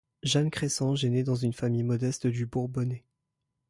Jeanne Cressanges est née dans une famille modeste du Bourbonnais.